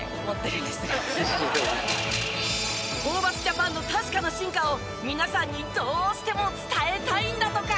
ホーバスジャパンの確かな進化を皆さんにどうしても伝えたいんだとか。